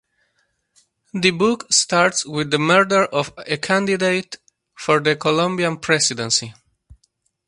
The book starts with the murder of a candidate for the Colombian presidency.